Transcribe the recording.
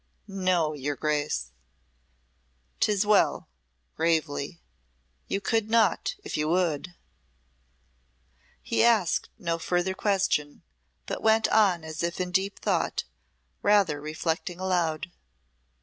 "No, your Grace." "Tis well," gravely, "You could not if you would." He asked no further question, but went on as if in deep thought, rather reflecting aloud.